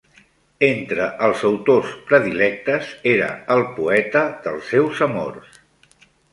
Entre els autors predilectes, era el poeta dels seus amors.